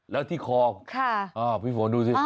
แล้วที่คอพี่ฝนดูสิ